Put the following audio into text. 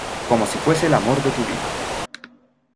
como si fuese el amor de tu vida.